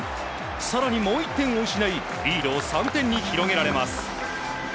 更にもう１点を失いリードを３点に広げられます。